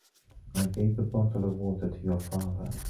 I gave the bottle of water to your father.